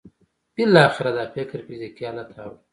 بالاخره دا فکر فزیکي حالت ته اوړي